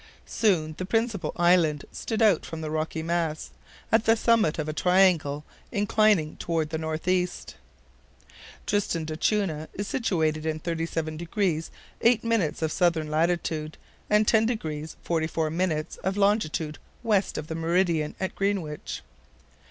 Soon the principal island stood out from the rocky mass, at the summit of a triangle inclining toward the northeast. Tristan d'Acunha is situated in 37 degrees 8' of southern latitude, and 10 degrees 44' of longitude west of the meridian at Greenwich.